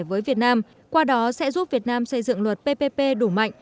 vì vậy tại sao việt nam đã bị phá hủy hơn